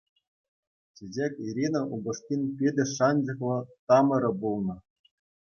Чечек-Ирина упӑшкин питӗ шанчӑклӑ тамӑрӗ пулнӑ.